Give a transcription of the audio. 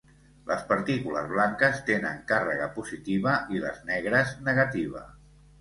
Les partícules blanques tenen càrrega positiva i les negres negativa.